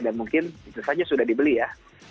dan mungkin itu saja sudah dibeli ya